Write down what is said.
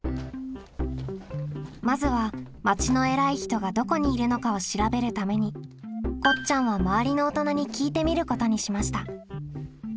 まずは町のえらい人がどこにいるのかを調べるためにこっちゃんは「まわりの大人に聞いてみる」ことにしました。